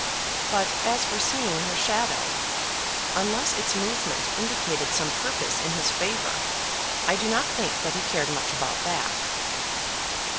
But as for seeing her shadow, unless its movement indicated some purpose in his favour, I do not think that he cared much about that.